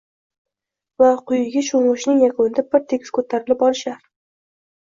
va quyiga sho‘ng‘ishning yakunida bir tekis ko‘tarilib olishar